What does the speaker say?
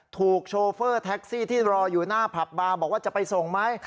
โชเฟอร์แท็กซี่ที่รออยู่หน้าผับบาร์บอกว่าจะไปส่งไหม